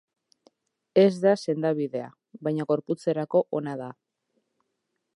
Ez da sendabidea, baina gorputzerako ona da.